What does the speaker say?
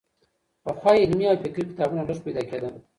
پخوا علمي او فکري کتابونه لږ پيدا کېدل.